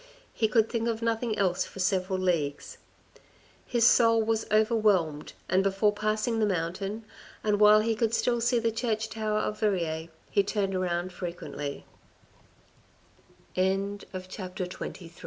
He could think of nothing else for several leagues. His soul was overwhelmed, and before passing the mountain, and while he could still see the church tower of Verrieres he turned round